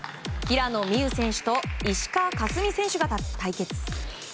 平野美宇選手と石川佳純選手が対決。